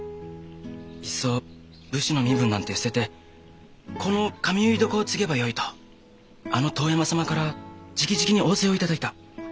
いっそ武士の身分なんて捨ててこの髪結い床を継げばよいとあの遠山様からじきじきに仰せを頂いた。